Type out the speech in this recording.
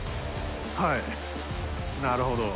はいなるほど。